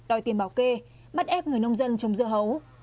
đòi tiền bảo kê bắt ép người nông dân trồng dưa hấu